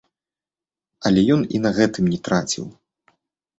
Але ён і на гэтым не траціў.